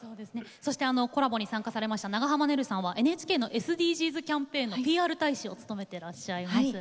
そしてコラボに参加されました長濱ねるさんはＮＨＫのＳＤＧｓキャンペーンのＰＲ大使を務めてらっしゃいます。